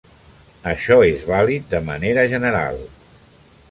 Això és vàlid de manera general.